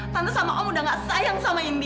tante sama om udah gak sayang sama indi